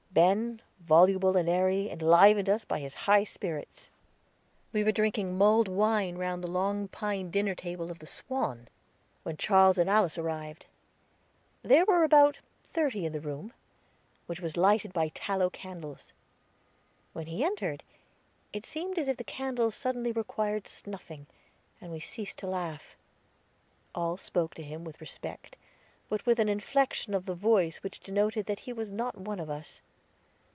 Ben, voluble and airy, enlivened us by his high spirits. We were drinking mulled wine round the long pine dinner table of the Swan, when Charles and Alice arrived. There were about thirty in the room, which was lighted by tallow candles. When he entered, it seemed as if the candles suddenly required snuffing, and we ceased to laugh. All spoke to him with respect, but with an inflection of the voice which denoted that he was not one of us.